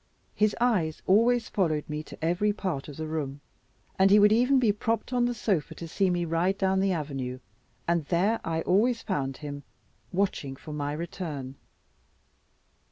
His eyes always followed me to every part of the room, and he would even be propped on the sofa to see me ride down the avenue; and there I always found him watching for my return.